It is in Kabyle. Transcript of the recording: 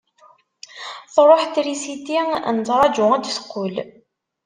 Truḥ trisiti, nettraju ad d-teqqel.